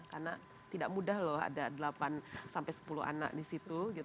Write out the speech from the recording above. karena tidak mudah loh ada delapan sampai sepuluh anak di situ gitu ya